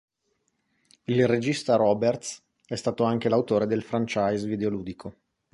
Il regista Roberts è stato anche l'autore del franchise videoludico.